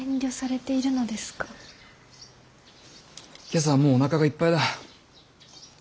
今朝はもうおなかがいっぱいだ。